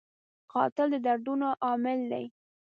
قاتل د دردونو عامل دی